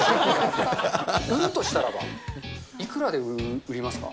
売るとしたらばいくらで売りますか。